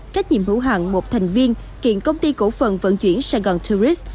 trách nhiệm hữu hạng một thành viên kiện công ty cổ phần vận chuyển sài gòn tourist